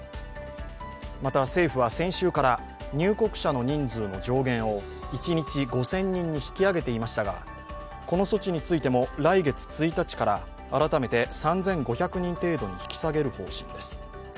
また政府は先週から入国者の人数の上限を一日５０００人に引き上げていましたがこの措置についても、来月１日から改めて３５００人程度に引き下げる方針です。